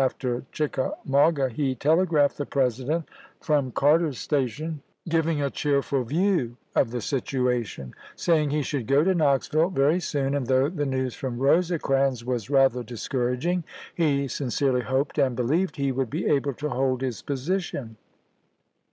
after Chickamauga, he telegraphed the President from Carter's Station, giving a cheerful view of the situation, saying he should go to Knoxville very soon, and though the news from Rosecrans was 166 ABEAHA]!tI LINCOLN Lincoln to Burn side, Sept. 25. MS. rather discouraging, he sincerely hoped and be lieved he would be able to hold his position.